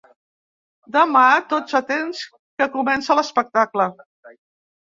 Demà tots atents que comença l'espectacle.